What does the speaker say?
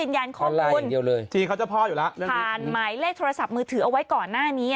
ข้อมูลที่เขาเจ้าพ่ออยู่แล้วผ่านหมายเลขโทรศัพท์มือถือเอาไว้ก่อนหน้านี้